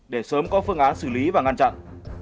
để sớm có phương án xử lý và ngăn chặn